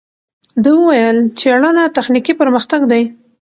ده وویل، څېړنه تخنیکي پرمختګ دی.